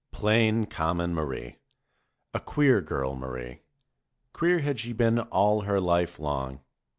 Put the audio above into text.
Plain, common Marie ! A queer girl Marie. Queer had she been all her life long.